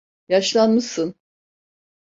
Yaşlanmışsın.